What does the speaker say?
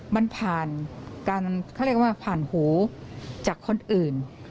มันผ่านการเขาเรียกว่าผ่านหูจากคนอื่น